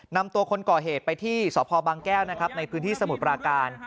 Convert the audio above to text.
นำตัวคนก่อเหตุไปที่สพบางแก้วนะครับในพื้นที่สมุทรปราการ